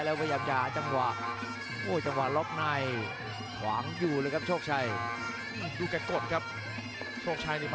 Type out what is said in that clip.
แล้วพยายามจะหาจำว